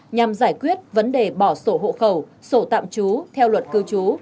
nhằm giải quyết vấn đề bỏ sổ hộ khẩu sổ tạm trú theo luật cư trú